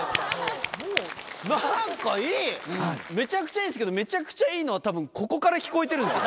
めちゃくちゃいいんですけどめちゃくちゃいいのはたぶんここから聴こえてるんですよ。